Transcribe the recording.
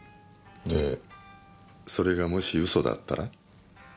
でそれがもし嘘だったら？